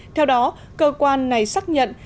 theo đó cơ quan này xác nhận